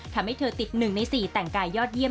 ทำให้เธอติด๑ใน๔แต่งกายยอดเยี่